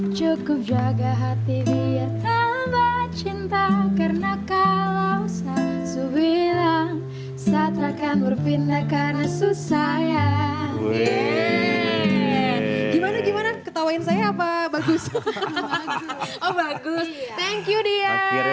cukup jaga hati dia tambah cinta